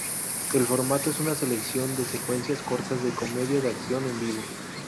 El formato es una selección de secuencias cortas de comedia de acción en vivo.